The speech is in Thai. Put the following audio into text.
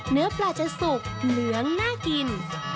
เนื้อปลาจะสุกเหลืองน่ากิน